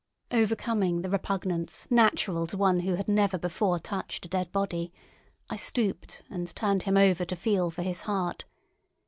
Overcoming the repugnance natural to one who had never before touched a dead body, I stooped and turned him over to feel for his heart.